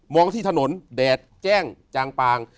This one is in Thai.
ที่ถนนแดดแจ้งจางปาง